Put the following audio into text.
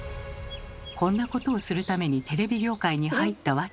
「こんなことをするためにテレビ業界に入ったわけじゃない」。